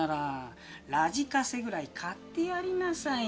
ラジカセぐらい買ってやりなさいよ。